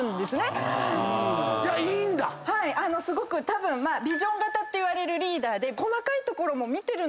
たぶんビジョン型っていわれるリーダーで。